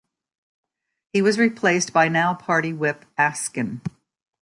He was replaced by now-Party Whip Askin.